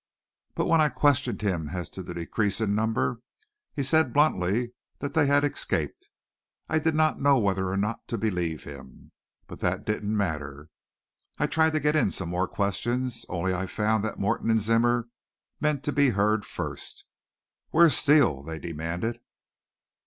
But when I questioned him as to the decrease in number, he said bluntly that they had escaped. I did not know whether or not to believe him. But that didn't matter. I tried to get in some more questions, only I found that Morton and Zimmer meant to be heard first. "Where's Steele?" they demanded.